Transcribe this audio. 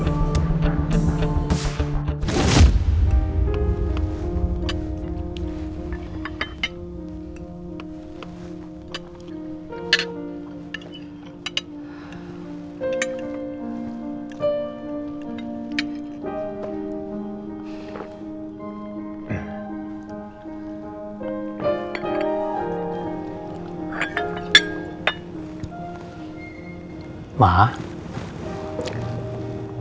tidak ada sesuatu